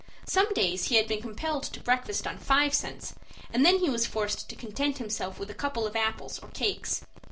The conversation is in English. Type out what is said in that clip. Some days he had been compelled to breakfast on five cents, and then he was forced to content himself with a couple of apples, or cakes.